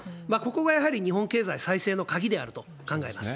ここがやはり日本経済再生の鍵であると考えます。